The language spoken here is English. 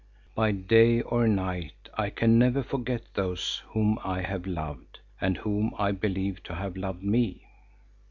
By day or night I can never forget those whom I have loved and whom I believe to have loved me.